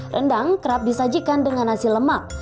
rendang kerap disajikan dengan nasi lemak